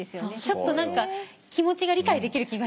ちょっと何か気持ちが理解できる気がしました。